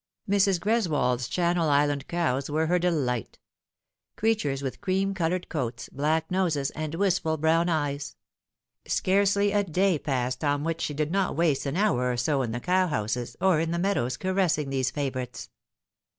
Mrs. Greswold's Channel Island cows were her delight crea tures with cream coloured coate, black noses, and wistful brown eyes. Scarcely a day passed on which she did not waste an hour or so in the cowhouses or in the meadows caressing these favourites.